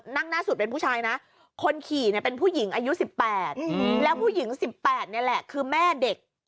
หน้าสุดเป็นผู้ชายนะคนขี่เนี่ยเป็นผู้หญิงอายุ๑๘แล้วผู้หญิง๑๘นี่แหละคือแม่เด็ก